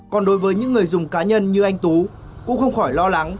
còn đối với những người dùng cá nhân như anh tú cũng không khỏi lo lắng